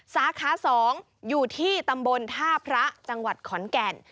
สาขา๒อยู่ที่ตำบลท่าพระจังหวัดขอนแก่น